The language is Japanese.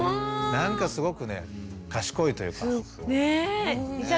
なんかすごくね賢いというか。ね二者